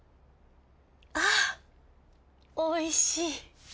あおいしい。